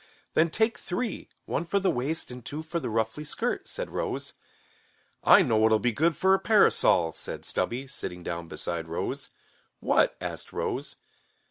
"Then take three, one for the waist and two for the ruffly skirt," said Rose. "I know what'll be good for a parasol," said Stubby, sitting down beside Rose. "What?" asked Rose.